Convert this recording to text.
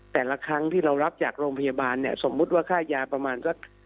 แต่ละครั้งที่เรารับจากโรงพยาบาลเนี่ยสมมุติว่าค่ายาประมาณสัก